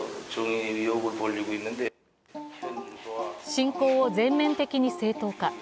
侵攻を全面的に正当化。